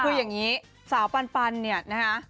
คืออย่างนี้สาวปันเนี่ยนะคะ